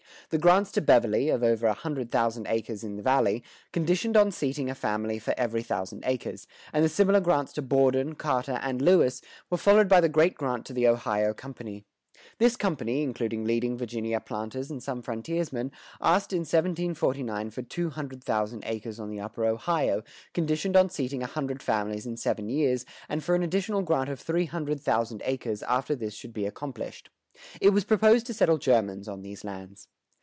The grants to Beverley, of over a hundred thousand acres in the Valley, conditioned on seating a family for every thousand acres, and the similar grants to Borden, Carter, and Lewis, were followed by the great grant to the Ohio Company. This company, including leading Virginia planters and some frontiersmen, asked in 1749 for two hundred thousand acres on the upper Ohio, conditioned on seating a hundred families in seven years, and for an additional grant of three hundred thousand acres after this should be accomplished. It was proposed to settle Germans on these lands.